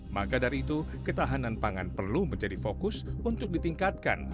maka dari itu ketahanan pangan perlu menjadi fokus untuk ditingkatkan